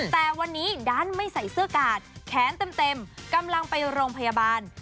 แต่วันนี้ดันไม่ใส่เสื้อกาดแขนเต็มกำลังไปโรงพยาบาล